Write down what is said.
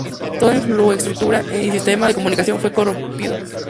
Toda infraestructura y sistema de comunicación fue corrompido.